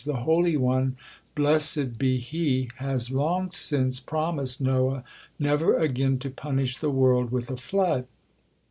The Holy One, blessed be He, has long since promised Noah never again to punish the world with a flood."